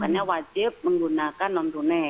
karena wajib menggunakan non tunai